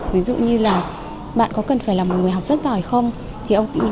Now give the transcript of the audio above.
ví dụ như là bạn có cần phải là một người học rất giỏi không